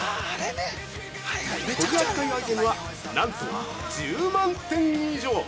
取り扱いアイテムはなんと１０万点以上！